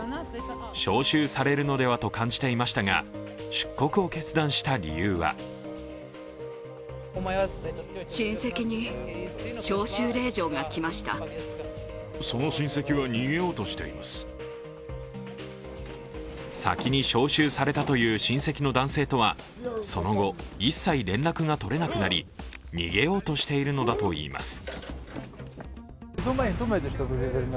招集されるのではと感じていましたが出国を決断した理由は先に招集されたという親戚の男性とはその後、一切、連絡が取れなくなり逃げようとしているのだといいます。